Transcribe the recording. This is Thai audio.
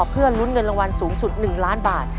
เพื่อลุ้นเงินรางวัลสูงสุด๑ล้านบาท